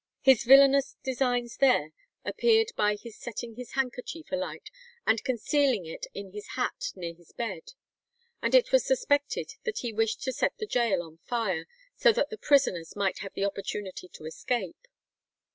His villainous designs there appeared by his setting his handkerchief alight, and concealing it in his hat near his bed, and it was suspected that he wished to set the gaol on fire, so that the prisoners might have the opportunity to escape.